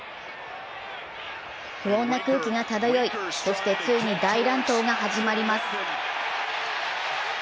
不穏な空気が漂いそしてついに大乱闘が始まります。